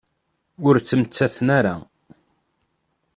Ur ttmettaten ara.